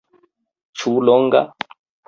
Ĉu longa?